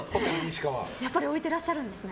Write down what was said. やっぱり置いてらっしゃるんですね。